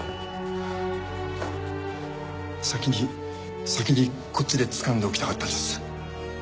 先に先にこっちでつかんでおきたかったんです。